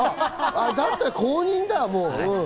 だったら公認だ。